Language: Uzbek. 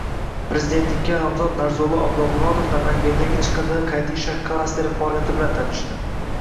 Prezidentlikka nomzod Narzullo Oblomurodov Namangandagi chiqindini qayta ishlash klasteri faoliyati bilan tanishdi